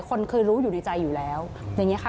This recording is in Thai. คนเคยรู้อยู่ในใจอยู่แล้วอย่างนี้ค่ะ